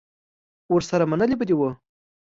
ورسره منلې به یې وه.